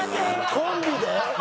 コンビで？